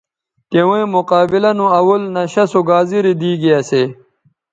تویں مقابلہ نو اول نشہ سو گازرے دیگے اسے